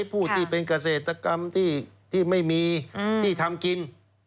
ผู้ที่เป็นเกษตรกรรมที่ไม่มีที่ทำกิน